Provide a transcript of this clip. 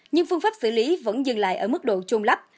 nhưng phương pháp xử lý vẫn dừng lại ở mức độ chôn lắp